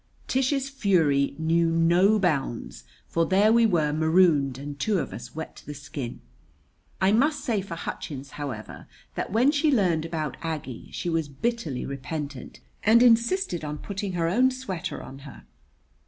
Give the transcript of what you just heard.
Tish's fury knew no bounds, for there we were marooned and two of us wet to the skin. I must say for Hutchins, however, that when she learned about Aggie she was bitterly repentant, and insisted on putting her own sweater on her.